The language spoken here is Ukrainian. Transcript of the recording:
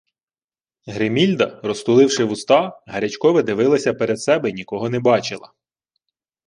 Гримільда, розтуливши вуста, гарячкове дивилася поперед себе й нікого не бачила.